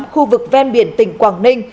khu vực ven biển tỉnh quảng ninh